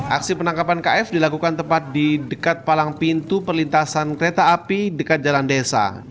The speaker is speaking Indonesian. aksi penangkapan kf dilakukan tepat di dekat palang pintu perlintasan kereta api dekat jalan desa